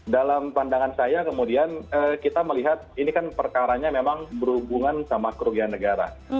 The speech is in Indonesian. dalam pandangan saya kemudian kita melihat ini kan perkaranya memang berhubungan sama kerugian negara